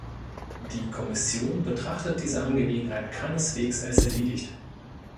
Die Kommission betrachtet diese Angelegenheit keineswegs als erledigt.